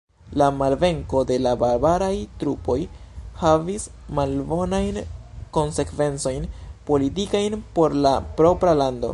La malvenko de la bavaraj trupoj havis malbonajn konsekvencojn politikajn por la propra lando.